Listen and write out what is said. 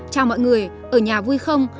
chào mọi người ở nhà vui không